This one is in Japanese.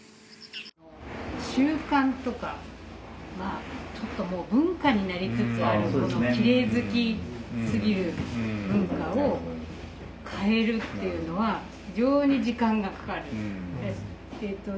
習慣とかまあちょっともう文化になりつつあるこのきれい好きすぎる文化を変えるっていうのは非常に時間がかかる。